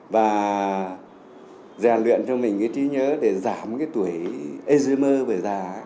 và giả luyện cho mình cái trí nhớ để giảm cái tuổi ê dư mơ bởi già